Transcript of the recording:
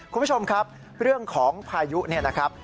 คุณผู้ชมครับเรื่องของพายุเนี่ยนะครับ